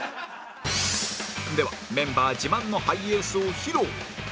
ではメンバー自慢のハイエースを披露